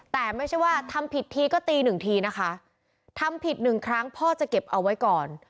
แต่ไม่ใช่ว่าทำผิดทีก็ตีหนึ่งทีนะคะทำผิดหนึ่งครั้งพ่อจะเก็บเอาไว้ก่อน